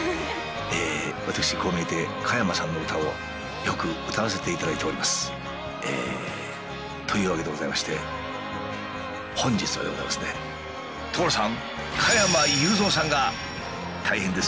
私こう見えて加山さんの歌をよく歌わせていただいております。というわけでございまして本日はでございますね所さん！